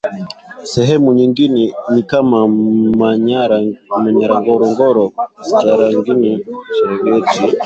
sehemu nyingine ni kama Manyara Ngorongoro Tarangire na Serengeti nchini Tanzania